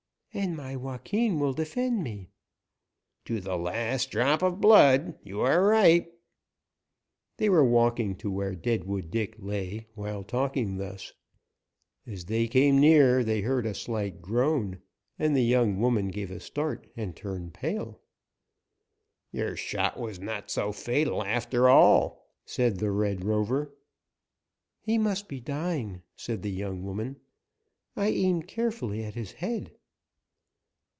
"And my Joaquin will defend me." "To the last drop of blood, you are right." They were walking to where Deadwood Dick lay while talking thus. As they came near they heard a slight groan, and the young woman gave a start and turned pale. "Your shot was not so fatal, after all," said the Red Rover. "He must be dying," said the young woman. "I aimed carefully at his head."